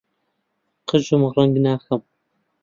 قژم ڕەنگ ناکەم.